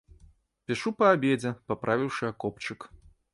Пішу па абедзе, паправіўшы акопчык.